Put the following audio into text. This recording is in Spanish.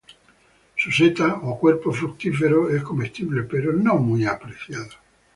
Su seta, o cuerpo fructífero, es comestible, pero no muy apreciado.